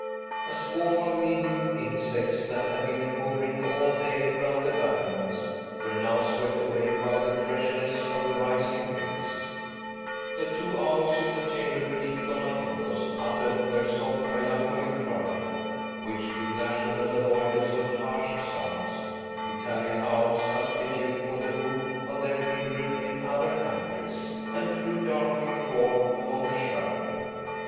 A swarm of minute insects that had been hovering all day round the battlements were now swept away by the freshness of a rising breeze. The two owls in the chamber beneath Donatello's uttered their soft melancholy cry, which, with national avoidance of harsh sounds, Italian owls substitute for the hoot of their kindred in other countries, and flew darkling forth among the shrubbery.